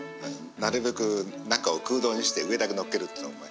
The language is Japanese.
なるべく中を空洞にして上だけのっけるっていうのがうまい。